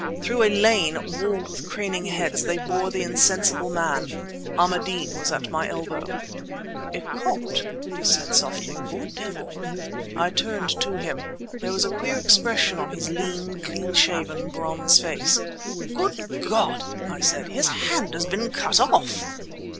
Through a lane walled with craning heads they bore the insensible man. Ahmadeen was at my elbow. "A Copt," he said softly. "Poor devil!" I turned to him. There was a queer expression on his lean, clean shaven, bronze face. "Good God!" I said. "His hand has been cut off!"